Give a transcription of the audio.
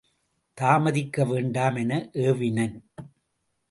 தாமதிக்க வேண்டாம் என ஏவினன்.